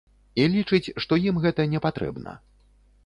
І лічыць, што ім гэта не патрэбна.